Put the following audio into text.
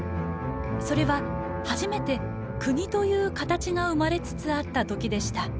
それは初めて国という形が生まれつつあった時でした。